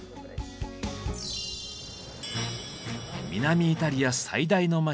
南イタリア最大の街